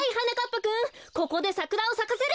ぱくんここでサクラをさかせる！